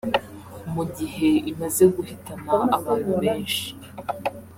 mu gihe imaze guhitana abantu benshi